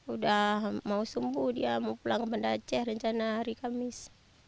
udah mau sembuh dia mau pulang ke banda aceh rencana hari kamis